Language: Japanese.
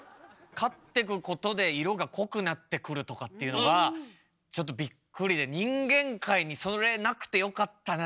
勝ってくことで色が濃くなってくるとかっていうのはちょっとびっくりで人間界にそれなくてよかったな。